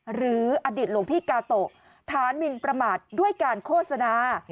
อดีตหลวงพี่กาโตะฐานมินประมาทด้วยการโฆษณา